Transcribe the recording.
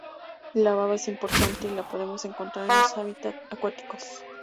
La baba es importante y la podemos encontrar en los hábitat acuáticos.